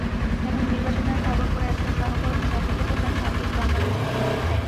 ফেনীর নির্বাচনের খবর পড়ে একজন সহকর্মী সখেদে বললেন, ভাগ্যিস বাংলাদেশটা ফেনী হয়ে যায়নি।